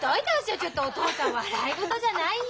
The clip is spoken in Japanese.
ちょっとお父さん笑い事じゃないよ。